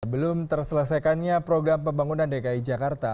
belum terselesaikannya program pembangunan dki jakarta